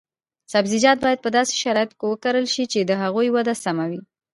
سبزیجات باید په داسې شرایطو کې وکرل شي چې د هغوی وده سمه وي.